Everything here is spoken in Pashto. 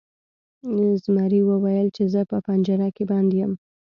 زمري وویل چې زه په پنجره کې بند یم.